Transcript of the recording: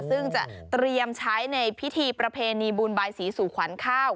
ซึ่งจะเตรียมใช้ในพิธีประเพณีบุญบายสีสู่ขวัญข้าว